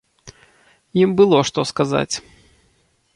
Ім было што сказаць.